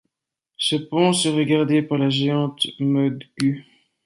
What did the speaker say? Ce pont serait gardé par la géante Módgud.